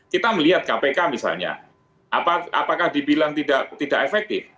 kita melihat kpk misalnya apakah dibilang tidak efektif